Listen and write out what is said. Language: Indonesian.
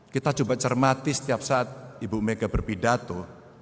kita coba cermati setiap saat ibu mega berpidato